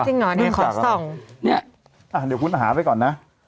จริงหรอนี่ขอส่องเนี้ยอ่าเดี๋ยวคุณหาไปก่อนนะ